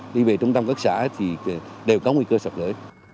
đi về trung tâm các xã thì đều có nguy cơ sạt lở